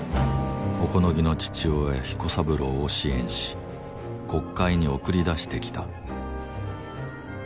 小此木の父親彦三郎を支援し国会に送り出してきた。